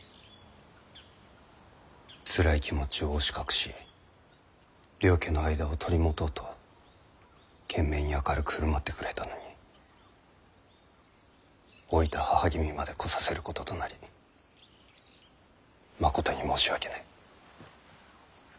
つらい気持ちを押し隠し両家の間を取り持とうと懸命に明るく振る舞ってくれたのに老いた母君まで来させることとなりまことに申し訳ない。